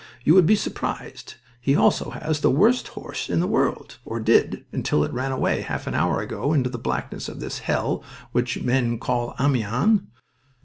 You would be surprised. He also has the worst horse in the world, or did, until it ran away half an hour ago into the blackness of this hell which men call Amiens.